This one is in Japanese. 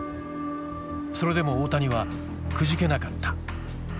それでも大谷はくじけなかった。